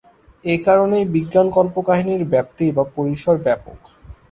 এ কারণেই বিজ্ঞান কল্পকাহিনীর ব্যাপ্তি বা পরিসর ব্যাপক।